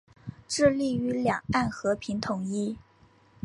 致力于两岸和平统一。